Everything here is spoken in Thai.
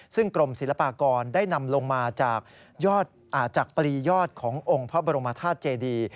ซึ่งกรมศิลปากรได้นำลงมาจากปลียอดขององค์พระบรมธาตุเจดี